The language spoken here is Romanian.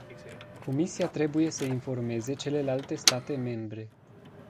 Comisia trebuie să informeze celelalte state membre.